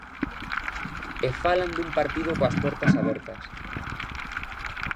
E falan dun partido coas portas abertas.